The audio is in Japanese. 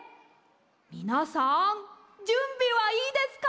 みなさんじゅんびはいいですか？